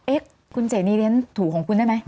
เอ๊ะคุณเจนีเรียนถูของคุณได้ไหม